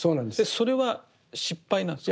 それは失敗なんですか？